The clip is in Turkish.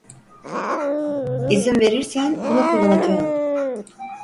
İzin verirsen, bunu kullanacağım.